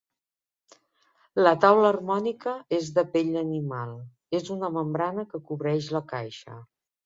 La taula harmònica és de pell d'animal, és una membrana que cobreix la caixa.